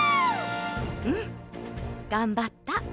うんがんばった。